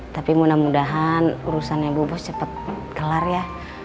tapi mudah mudahan urusannya bu bos cepet kelar ya